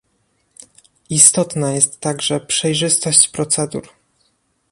Istotna jest także przejrzystość procedur